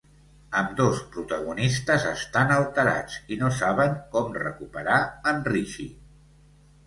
Ambdós protagonistes estan alterats, i no saben com recuperar en Richie.